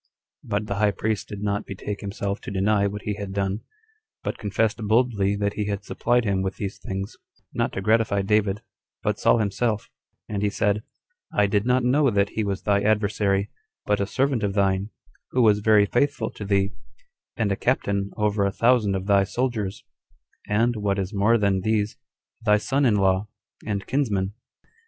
But the high priest did not betake himself to deny what he had done, but confessed boldly that he had supplied him with these things, not to gratify David, but Saul himself: and he said, "I did not know that he was thy adversary, but a servant of thine, who was very faithful to thee, and a captain over a thousand of thy soldiers, and, what is more than these, thy son in law, and kinsman.